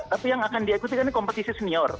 tapi yang akan diikuti ini kompetisi senior